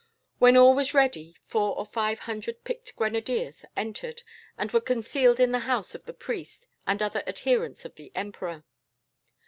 When all was ready, four or five hundred picked grenadiers entered, and were concealed in the house of the priest, and other adherents of the emperor.